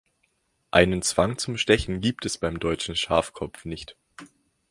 Einen Zwang zum Stechen gibt es beim Deutschen Schafkopf nicht.